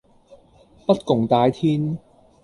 不共戴天